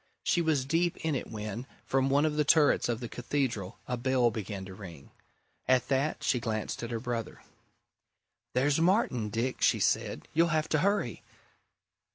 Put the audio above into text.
She was deep in it when, from one of the turrets of the Cathedral, a bell began to ring. At that, she glanced at her brother. "There's Martin, Dick!" she said. "You'll have to hurry."